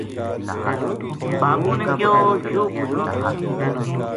بابو نے کہیو یوہ بوجنو تھو